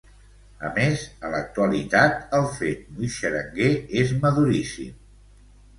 A més, a l'actualitat el fet muixeranguer és maduríssim.